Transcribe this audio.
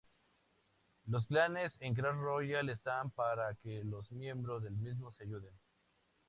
Los clanes en Clash Royale están para que los miembros del mismo se ayuden.